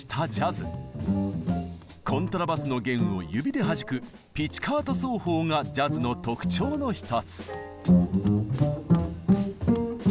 コントラバスの弦を指ではじくピチカート奏法がジャズの特徴の一つ。